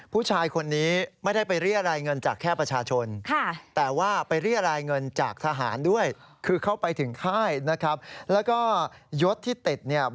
ผู้ชายคนนี้ไม่ได้ไปเรียรายเงินจากแค่ประชาชน